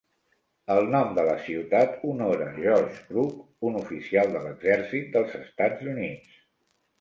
El nom de la ciutat honora George Crook, un oficial de l'exèrcit dels Estats Units.